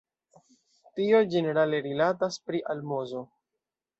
Tio ĝenerale rilatas pri almozo.